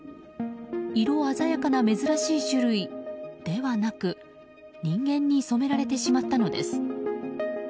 色鮮やかな珍しい種類ではなく人間に染められてしまったのです。